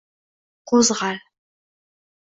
Qo’zg’al